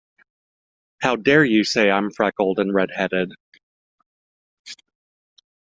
How dare you say I’m freckled and redheaded?